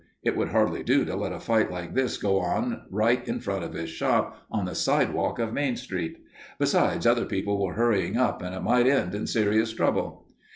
It would hardly do to let a fight like this go on right in front of his shop, on the sidewalk of Main Street. Besides, other people were hurrying up and it might end in serious trouble.